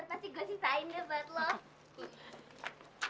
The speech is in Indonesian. ntar pasti gue sisain dia buat lo